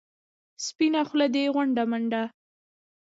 سپینه خوله دې غونډه منډه.